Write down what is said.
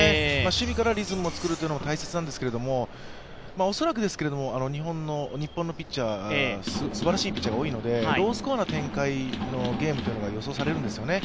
守備からリズムを作ることも大切なんですけども恐らく日本のピッチャーすばらしいピッチャーが多いのでロースコアの展開のゲームというのが予想されるんですよね。